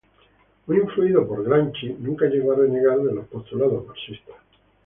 Muy influido por Gramsci, nunca llegó a renegar de los postulados marxistas.